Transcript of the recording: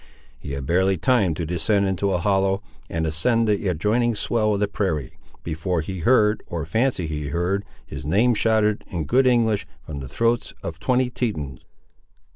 He had barely time to descend into a hollow and ascend the adjoining swell of the prairie, before he heard, or fancied he heard, his name shouted, in good English, from the throats of twenty Tetons.